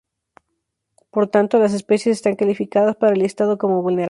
Por tanto, las especies están calificadas para el listado como Vulnerable.